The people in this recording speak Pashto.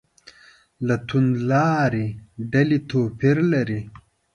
له توندلارې ډلې توپیر لري.